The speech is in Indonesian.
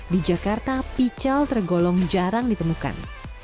di jakarta pical tergolong jarang ditemukan